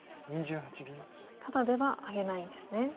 ただではあげないんですね。